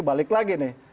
balik lagi nih